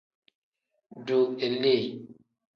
Duu ilii.